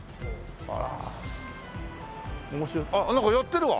あら面白あっなんかやってるわ。